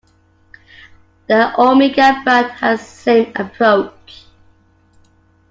The Omega brand has the same approach.